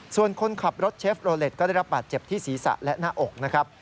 ส่วนคนขับรถเชฟโรเล็ตก็ได้รับบาดเจ็บที่ศีรษะและหน้าอกนะครับ